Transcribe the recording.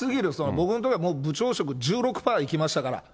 僕のときはもう部長職１６％いきましたから。